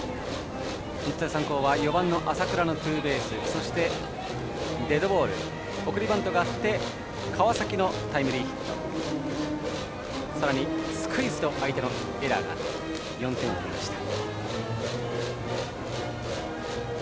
日大三高は４番の浅倉のツーベースそしてデッドボール送りバントがあって川崎のタイムリーヒットさらにスクイズと相手のエラーがあって４点を取りました。